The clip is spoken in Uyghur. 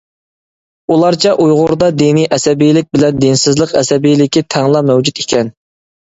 ئۇلارچە ئۇيغۇردا دىنىي ئەسەبىيلىك بىلەن دىنسىزلىق ئەسەبىيلىكى تەڭلا مەۋجۇت ئىكەن.